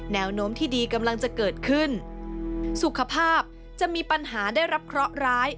แนวโน้มที่ดีกำลังจะเกิดขึ้นสุขภาพจะมีปัญหาได้รับเคราะห์ร้าย